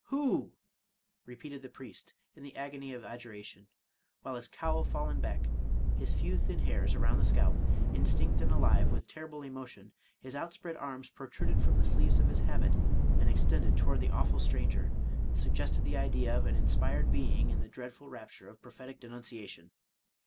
— Who?'' repeated the priest in the agony of adjuration, while his cowl fallen back, his few thin hairs around the scalp instinct and alive with terrible emotion, his outspread arms protruded from the sleeves of his habit, and extended toward the awful stranger, sug gested the idea of an inspired being in the dreadful rapture of prophetic denunciation.